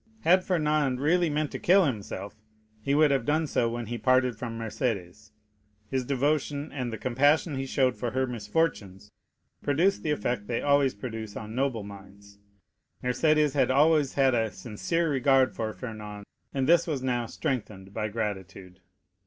Had Fernand really meant to kill himself, he would have done so when he parted from Mercédès. His devotion, and the compassion he showed for her misfortunes, produced the effect they always produce on noble minds—Mercédès had always had a sincere regard for Fernand, and this was now strengthened by gratitude.